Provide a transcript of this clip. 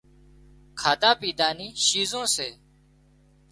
کاڌا پيڌا نِي شيزون سي